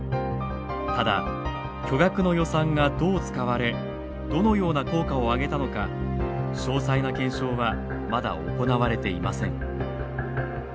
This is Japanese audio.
ただ巨額の予算がどう使われどのような効果を上げたのか詳細な検証はまだ行われていません。